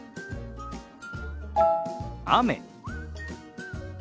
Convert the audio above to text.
雨。